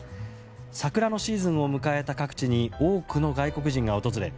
桜のシーズンを迎えた各地に多くの外国人が訪れ